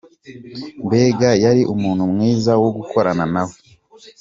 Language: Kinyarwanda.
Mbega yari umuntu mwiza wo gukorana na we.”